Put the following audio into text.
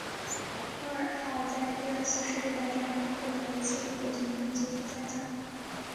高尔号在第二次世界大战共获得一次美国总统集体嘉奖勋表及三枚战斗之星。